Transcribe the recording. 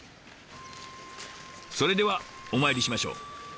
それではお参りしましょう。